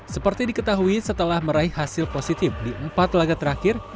seperti diketahui setelah meraih hasil positif di empat laga terakhir